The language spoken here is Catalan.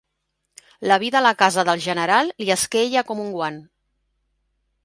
La vida a la casa del General li esqueia com un guant.